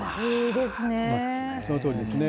そのとおりですね。